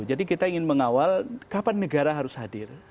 jadi kita ingin mengawal kapan negara harus hadir